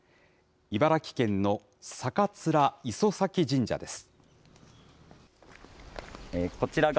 茨城県の酒列磯前神社です。